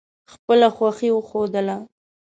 خپله خوښي وښودله.